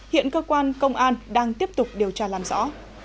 hiện cơ quan công an đang tiếp tục điều tra làm rõ